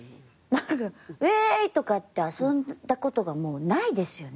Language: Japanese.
ウェーイ！とかって遊んだことがもうないですよね。